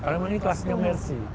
karena memang ini kelasnya mahal sih